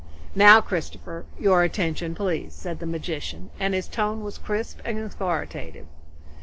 "Now Christopher, your attention please," said the magician, and his tone was crisp and authoritative.